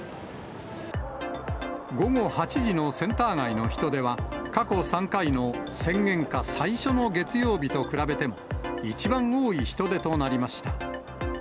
午後８時のセンター街の人出は、過去３回の宣言下最初の月曜日と比べても、一番多い人出となりました。